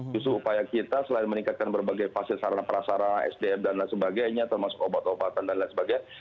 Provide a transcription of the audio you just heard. justru upaya kita selain meningkatkan berbagai fase sarana prasarana sdm dan lain sebagainya termasuk obat obatan dan lain sebagainya